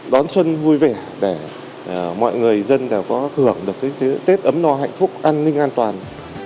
đón xuân vui vẻ để mọi người dân có thưởng được cái tết ấm no hạnh phúc an ninh an toàn